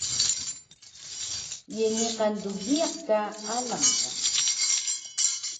Ye niqan dgiyaq ka alang ta?